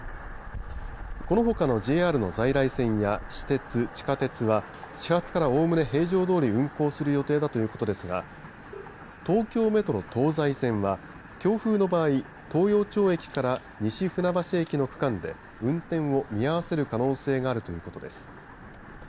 このほかのＪＲの在来線や私鉄、地下鉄は始発から、おおむね平常どおり運行する予定だということですが東京メトロ東西線は強風の場合東陽町駅から西船橋駅の区間で運転を見合わせる可能性があるということです。